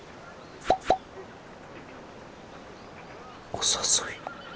お誘い。